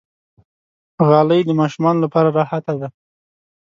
غالۍ د ماشومانو لپاره راحته ده.